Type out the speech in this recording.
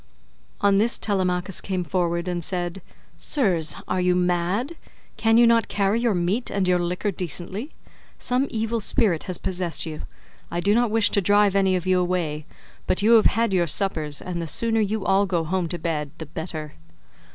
On this Telemachus came forward and said, "Sirs, are you mad? Can you not carry your meat and your liquor decently? Some evil spirit has possessed you. I do not wish to drive any of you away, but you have had your suppers, and the sooner you all go home to bed the better."